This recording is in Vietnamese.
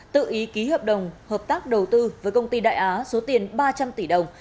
tự ý ký hợp đồng hợp tác đầu tư với công ty đại á số tiền ba trăm linh tỷ đồng